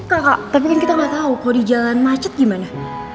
kakak tapi kan kita gak tau kalo di jalan macet gimana